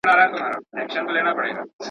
څوك به ليكي دېوانونه د غزلو.